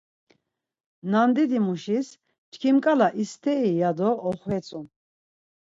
Nandidimuşiz “Çkim k̆ala isteri ” ya do oxfetzun.